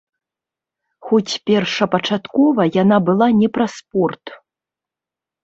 Хоць першапачаткова яна была не пра спорт.